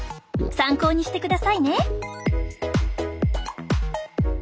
参考にしてくださいね！